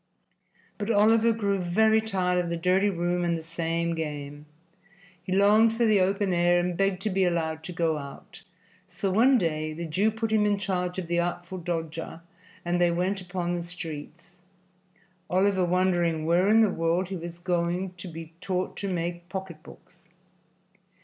But Oliver grew very tired of the dirty room and the same game. He longed for the open air and begged to be allowed to go out; so one day the Jew put him in charge of the Artful Dodger and they went upon the streets, Oliver wondering where in the world he was going to be taught to make pocketbooks.